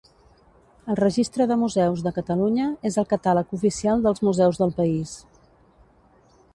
El Registre de Museus de Catalunya és el catàleg oficial dels museus del país.